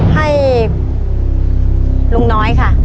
ให้ลุงน้อยค่ะ